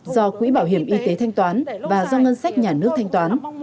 do quỹ bảo hiểm y tế thanh toán và do ngân sách nhà nước thanh toán